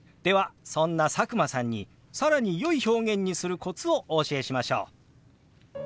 そんな佐久間さんに更によい表現にするコツをお教えしましょう。